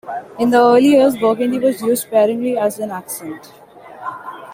In the early years, burgundy was used sparingly as an accent.